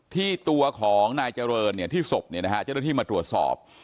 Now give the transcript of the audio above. ที่ตัวของนายเจริญเนี่ยที่ศพเนี่ยนะฮะเจ้าหน้าที่มาตรวจสอบ